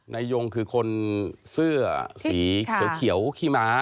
นายยงคือคนเสื้อสีเขียวขี้ม้า